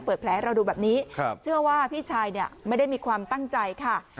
แผลให้เราดูแบบนี้เชื่อว่าพี่ชายเนี่ยไม่ได้มีความตั้งใจค่ะ